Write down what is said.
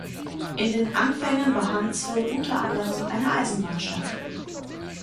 In den Anfängen war Huntsville u. a. eine Eisenbahnstadt.